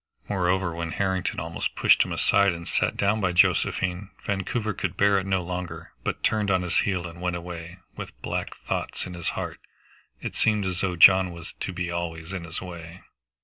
Moreover, when Harrington almost pushed him aside and sat down by Josephine, Vancouver could bear it no longer, but turned on his heel and went away, with black thoughts in his heart. It seemed as though John was to be always in his way.